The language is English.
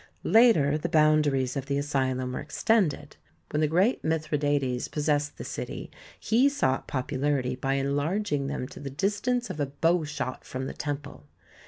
Later the boundaries of the asylum were extended. When the great Mithri dates possessed the city he sought popularity by enlarging them to the distance of a bow shot from the temple.